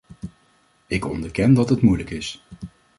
Ik onderken dat het moeilijk is.